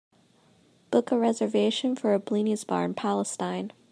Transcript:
Book a reservation for a blinis bar in Palestine